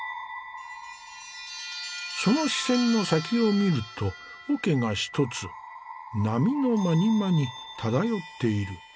その視線の先を見ると桶が１つ波のまにまに漂っている。